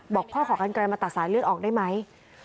บอกพ่อขอกันไกลมาตัดสายเลือดออกได้ไหม